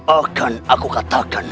akan aku katakan